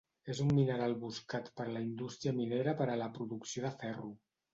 És un mineral buscat per la indústria minera per a la producció de ferro.